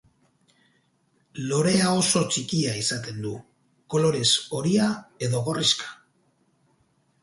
Lorea oso txikia izaten du, kolorez horia edo gorrixka.